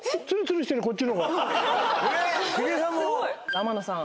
天野さん。